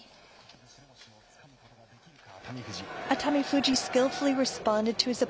ここで白星をつかむことができるか。